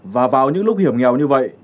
và vào những lúc hiểm nghèo như vậy